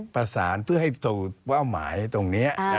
ประสานเพื่อให้โตว่าเอาหมายตรงนี้